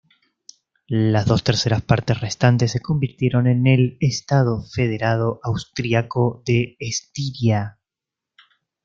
Las dos terceras partes restantes se convirtieron en el estado federado austriaco de Estiria.